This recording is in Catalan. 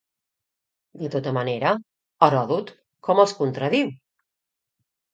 De tota manera, Heròdot com els contradiu?